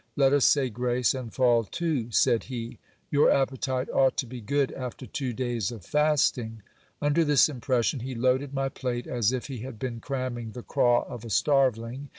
Let us say grace, and fall to, said he. Your appetite ought to be good after two days of fasting. Under this impression he loaded my plate as if he had been cramming the craw of a starveling.